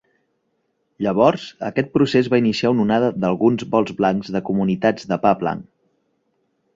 Llavors, aquest procés va iniciar una onada d'alguns "vols blancs" de comunitats de pa blanc.